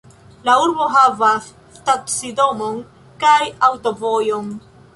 La urbo havas stacidomon kaj aŭtovojon.